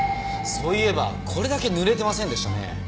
そういえばこれだけ濡れてませんでしたね。